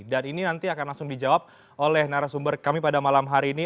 dan ini nanti akan langsung dijawab oleh narasumber kami pada malam hari ini